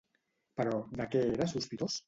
Però de què era sospitós?